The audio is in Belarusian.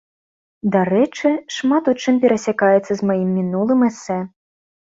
Дарэчы, шмат у чым перасякаецца з маім мінулым эсэ.